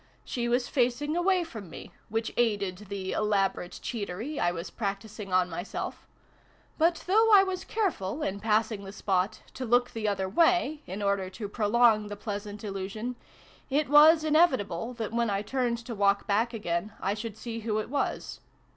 She was facing away from me, which aided the elaborate cheatery I was practising on myself : but, though I was careful, in passing the spot, to look the other way, in order to prolong the pleasant illusion, it was inevitable that, when I turned to walk back again, I should see who it was.